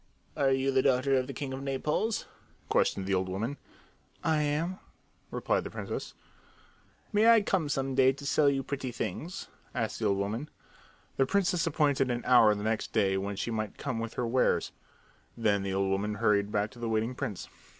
"Are you the daughter of the king of Naples?" questioned the old woman. "I am," replied the princess. "May I come some day to sell you pretty things?" asked the old woman. The princess appointed an hour the next day when she might come with her wares. Then the old woman hurried back to the waiting prince.